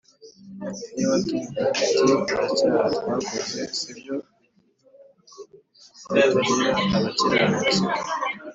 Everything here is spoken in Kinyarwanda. Niba tuvuga tuti nta cyaha twakoze sibyo bitugira abakiranutsi